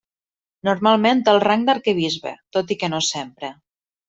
Normalment té el rang d'arquebisbe, tot i que no sempre.